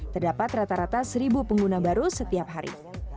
terdapat rata rata seribu pengguna baru setiap hari